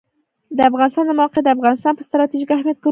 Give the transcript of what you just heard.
د افغانستان د موقعیت د افغانستان په ستراتیژیک اهمیت کې رول لري.